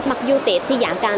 mặc dù tết thi dạng cao